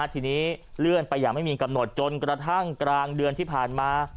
ทีนี้เลื่อนไปอย่างไม่มีกำหนดจนกระทั่งกลางเดือนที่ผ่านมา